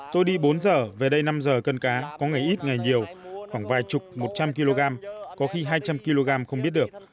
tôi đi bốn giờ về đây năm giờ cân cá có ngày ít ngày nhiều khoảng vài chục một trăm linh kg có khi hai trăm linh kg không biết được